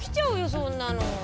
そんなの！